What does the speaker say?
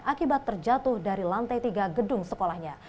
akibat terjatuh dari lantai tiga gedung sekolahnya